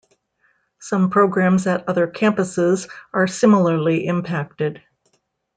Some programs at other campuses are similarly impacted.